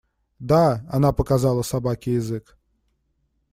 Да! – Она показала собаке язык.